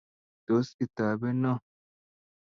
tos itabeno